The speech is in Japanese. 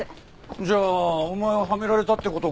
じゃあお前ははめられたって事か。